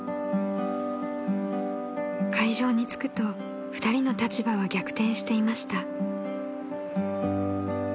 ［会場に着くと２人の立場は逆転していました］